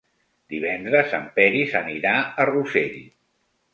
Divendres en Peris anirà a Rossell.